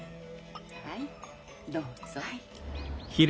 はいどうぞ。